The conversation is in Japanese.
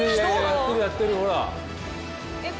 やってるやってるほらえっ